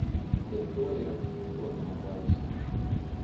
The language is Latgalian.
Deļtuo jai ni nu kuo nav baist.